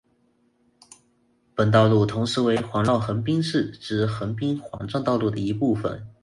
本道路同时为环绕横滨市之横滨环状道路的一部份。